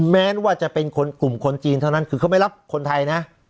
แม้ว่าจะเป็นคนกลุ่มคนจีนเท่านั้นคือเขาไม่รับคนไทยนะ